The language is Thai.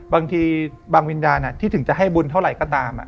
บางทีบางวิญญาณที่ถึงจะให้บุญเท่าไหร่ก็ตาม